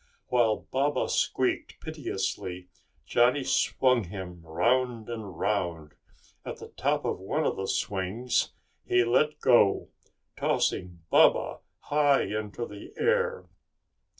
While Baba squeaked piteously, Johnny swung him round and round. At the top of one of the swings he let go, tossing Baba high into the air.